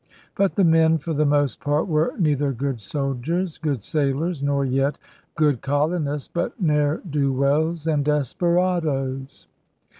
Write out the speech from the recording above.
But the men, for the most part, were neither good soldiers, good sailors, nor yet good colonists, but ne'er do wells and desperadoes.